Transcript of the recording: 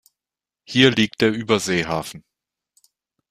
Hier liegt der Überseehafen.